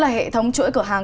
vấn đề cuối cùng